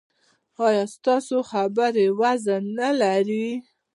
ایا ستاسو خبره وزن نلري؟